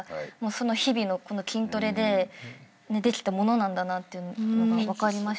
日々のこの筋トレでできたものなんだなっていうのが分かりました。